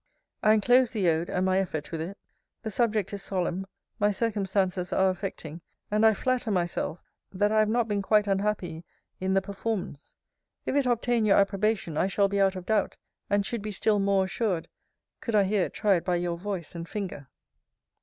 I enclose the Ode, and my effort with it. The subject is solemn; my circumstances are affecting; and I flatter myself, that I have not been quite unhappy in the performance. If it obtain your approbation, I shall be out of doubt, and should be still more assured, could I hear it tried by your voice and finger.